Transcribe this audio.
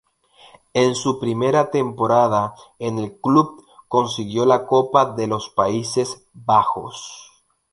En su primera temporada en el club consiguió la Copa de los Países Bajos.